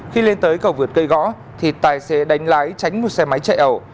khi lên tới cầu vượt cây gõ thì tài xế đánh lái tránh một xe máy chạy ẩu